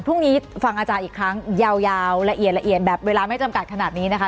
พรุ่งนี้ฟังอาจารย์อีกครั้งยาวละเอียดละเอียดแบบเวลาไม่จำกัดขนาดนี้นะคะ